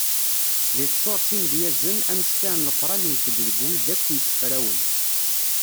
Deg tsuret Imedyazen, ameskar n Leqran iwet-d deg wid akk yessefrawen.